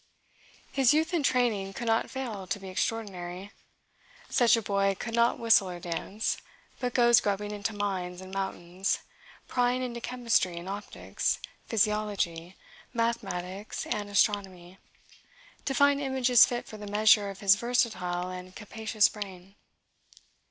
His youth and training could not fail to be extraordinary. Such a boy could not whistle or dance, but goes grubbing into mines and mountains, prying into chemistry and optics, physiology, mathematics, and astronomy, to find images fit for the measure of his versatile and capacious brain.